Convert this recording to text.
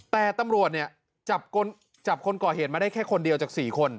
แต่ตำรวจเนี่ยจับคนก่อเหตุมาได้แค่คนเดียวจาก๔คน